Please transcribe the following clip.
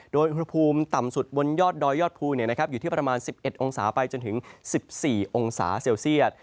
โดยอุณหภูมิต่ำสุดบนยอดดอยยอดภูอยู่ที่ประมาณ๑๑องศาไปจนถึง๑๔องศาเซลเซียต